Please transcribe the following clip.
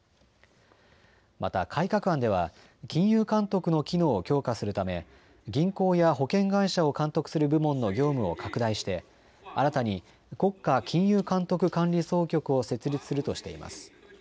また改革案では金融監督の機能を強化するため銀行や保険会社を監督する部門の業務を拡大して新たに国家金融監督管理総局を設立するとしています。